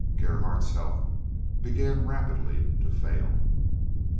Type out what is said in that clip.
Gerhardt's health began rapidly to fail.